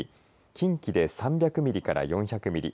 近畿で３００ミリから４００ミリ